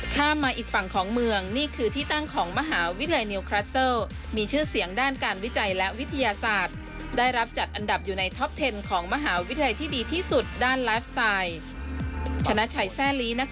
ข้ามมาอีกฝั่งของเมืองนี่คือที่ตั้งของมหาวิทยาลัยนิวคลัสเซิลมีชื่อเสียงด้านการวิจัยและวิทยาศาสตร์ได้รับจัดอันดับอยู่ในท็อปเทนของมหาวิทยาลัยที่ดีที่สุดด้านไลฟ์ไซด์